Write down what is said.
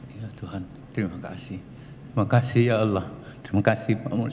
ya tuhan terima kasih terima kasih ya allah terima kasih pak muldo